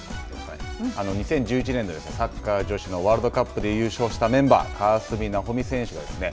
２０１１年のサッカー女子のワールドカップで優勝したメンバー川澄奈穂美選手がですね